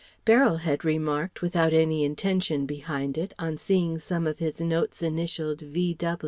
Beryl had remarked without any intention behind it on seeing some of his notes initialled V.